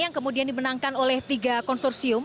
yang kemudian dibenangkan oleh tiga konsursium